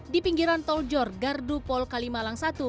di pinggiran toljor gardu pol kalimalang satu